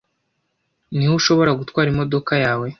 Ni he ushobora gutwara imodoka yawe